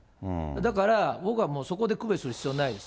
だから僕はもう、そこで区別する必要はないです。